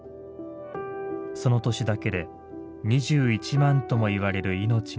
その年だけで２１万ともいわれる命が奪われた。